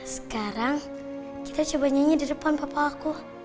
sekarang kita coba nyanyi di depan papa aku